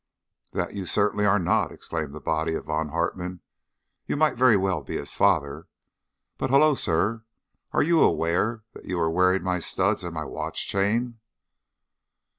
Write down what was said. "That you certainly are not," exclaimed the body of Von Hartmann. "You might very well be his father. But hullo, sir, are you aware that you are wearing my studs and my watch chain?"